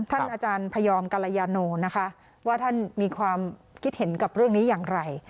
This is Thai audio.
ท่านอาจารย์พยอมกรยาโนนะคะว่าท่านมีความคิดเห็นกับเรื่องนี้อย่างไร